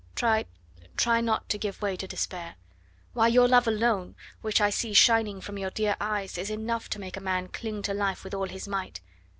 Try try not to give way to despair. Why! your love alone, which I see shining from your dear eyes, is enough to make a man cling to life with all his might.